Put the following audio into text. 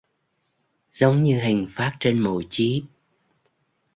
Giống như hình phác trên mộ chí